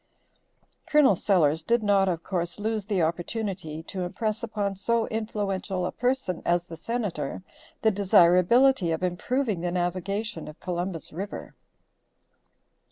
Col. Sellers did not of course lose the opportunity to impress upon so influential a person as the Senator the desirability of improving the navigation of Columbus river.